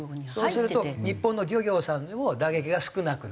そうすると日本の漁業さんにも打撃が少なくなる。